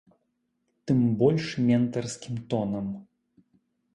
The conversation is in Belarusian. Тым больш ментарскім тонам.